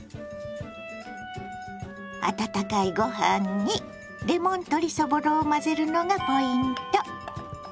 温かいご飯にレモン鶏そぼろを混ぜるのがポイント。